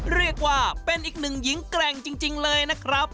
เรียกว่าเป็นอีกหนึ่งหญิงแกร่งจริงเลยนะครับ